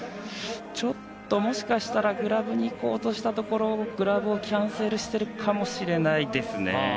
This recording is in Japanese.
ちょっと、もしかしたらグラブにいこうとしたところでグラブをキャンセルしているかもしれないですね。